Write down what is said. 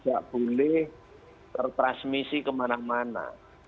tidak boleh tertransmisi kemana mana